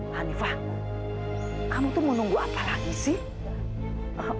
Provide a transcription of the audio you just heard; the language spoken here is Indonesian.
hanifah kamu tuh mau nunggu apa lagi sih